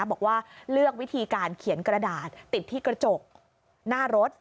บอกว่าเลือกวิธีการเขียนกระดาษติดที่กระจกหน้ารถ